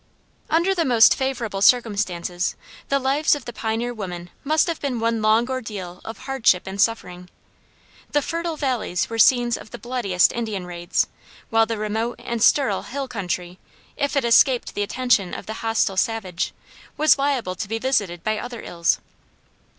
Under the most favorable circumstances, the lives of the pioneer women must have been one long ordeal of hardship and suffering. The fertile valleys were the scenes of the bloodiest Indian raids, while the remote and sterile hill country, if it escaped the attention of the hostile savage, was liable to be visited by other ills.